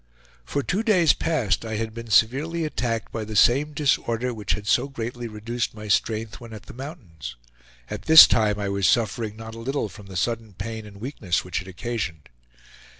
For two days past I had been severely attacked by the same disorder which had so greatly reduced my strength when at the mountains; at this time I was suffering not a little from the sudden pain and weakness which it occasioned.